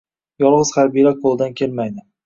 yolg‘iz harbiylar qo‘lidan kelmaydi.